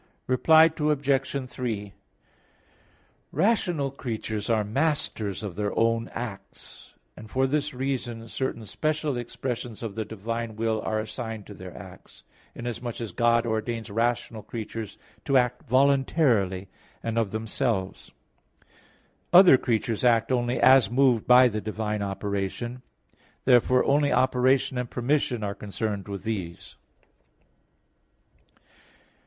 Reply Obj. 3: Rational creatures are masters of their own acts; and for this reason certain special expressions of the divine will are assigned to their acts, inasmuch as God ordains rational creatures to act voluntarily and of themselves. Other creatures act only as moved by the divine operation; therefore only operation and permission are concerned with these.